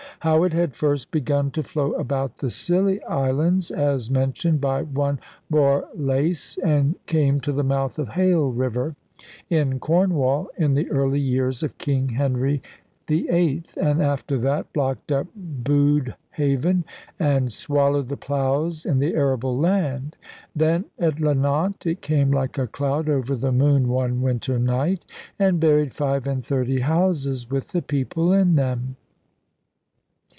How it had first begun to flow about the Scilly Islands, as mentioned by one Borlase, and came to the mouth of Hayle river, in Cornwall, in the early years of King Henry VIII., and after that blocked up Bude Haven, and swallowed the ploughs in the arable land. Then at Llanant it came like a cloud over the moon one winter night, and buried five and thirty houses with the people in them.